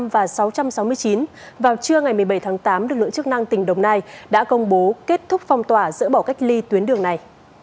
năm trăm chín mươi năm và sáu trăm sáu mươi chín vào trưa ngày một mươi bảy tháng tám lực lượng chức năng tỉnh đồng nai đã công bố kết thúc phong tỏa dỡ bỏ cách ly tuyến đường này